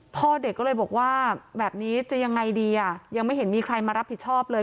พ่อเด็กก็เลยบอกว่าแบบนี้จะยังไงดีอ่ะยังไม่เห็นมีใครมารับผิดชอบเลย